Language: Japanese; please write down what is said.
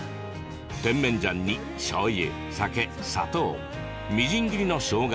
甜麺醤にしょうゆ、酒、砂糖みじん切りのしょうが